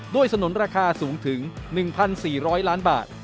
สนุนราคาสูงถึง๑๔๐๐ล้านบาท